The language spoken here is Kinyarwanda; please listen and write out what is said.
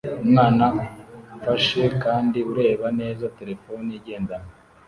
Umwana ufashe kandi ureba neza terefone igendanwa